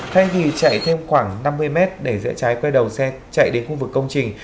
thay vì chạy thêm khoảng năm mươi mét để dễ trái quay đầu xe chạy đến khu vực công trình